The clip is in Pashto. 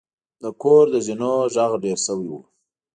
د کور د زینو غږ ډیر شوی و.